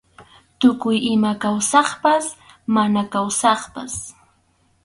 Tukuy ima kawsaqpas mana kawsaqpas.